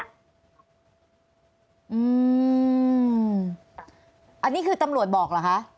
อันนี้คือตำรวจบอกเหรอคะ